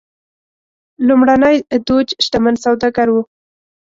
لومړنی دوج شتمن سوداګر و.